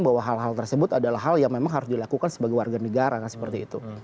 bahwa hal hal tersebut adalah hal yang memang harus dilakukan sebagai warga negara kan seperti itu